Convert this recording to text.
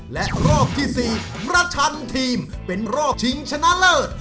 และรอบที่๔ประชันทีมเป็นรอบชิงชนะเลิศ